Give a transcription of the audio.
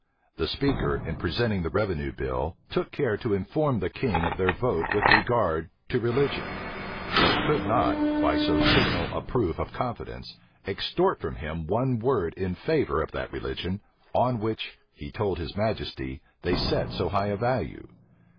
The speaker, in presenting the revenue bill, took care to inform the king of their vote with regard to religion; but could not, by so signal a proof of confidence, extort from him one word in favor of that religion, on which, he told his majesty, they set so high a value.